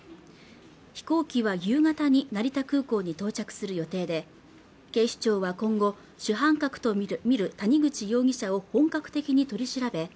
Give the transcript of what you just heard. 飛行機は夕方に成田空港に到着する予定で警視庁は今後主犯格と見る谷口容疑者を本格的に取り調べ